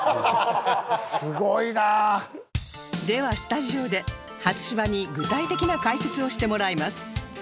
ではスタジオで初芝に具体的な解説をしてもらいます